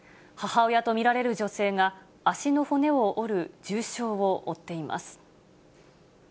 母親と見られる女性が、足の骨を折る重傷を負っています。